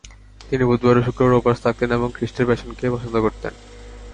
তিনি বুধবার ও শুক্রবার উপাস থাকতেন এবং খ্রিস্টের প্যাশনকে পছন্দ করতেন।